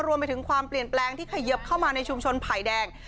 รวมไปถึงความเปลี่ยนแปลงที่เขยิบเข้ามาในชุมชนไผ่แดง